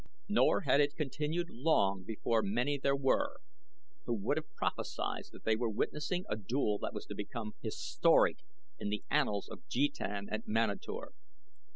Nor had it continued long before many there were who would have prophesied that they were witnessing a duel that was to become historic in the annals of jetan at Manator.